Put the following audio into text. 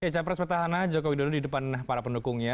capres petahana jokowi dulu di depan para pendukungnya